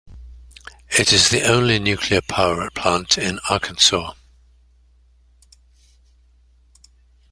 It is the only nuclear power plant in Arkansas.